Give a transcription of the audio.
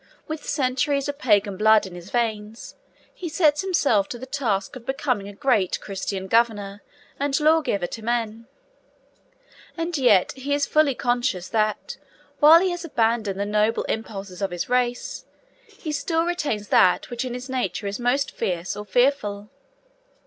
With centuries of Pagan blood in his veins, he sets himself to the task of becoming a great Christian governor and lawgiver to men; and yet he is fully conscious that, while he has abandoned the noble impulses of his race, he still retains that which in his nature is most fierce or fearful.